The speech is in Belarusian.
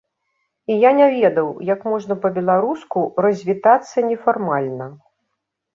І я не ведаў, як можна па-беларуску развітацца нефармальна.